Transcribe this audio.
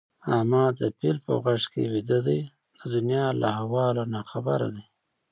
احمد د پيل په غوږ کې ويده دی؛ د دونيا له احواله ناخبره دي.